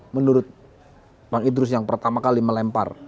menurut bang idrus yang pertama kali melempar